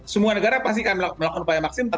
semua negara pasti akan melakukan upaya maksimal